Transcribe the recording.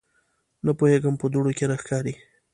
_نه پوهېږم، په دوړو کې نه ښکاري.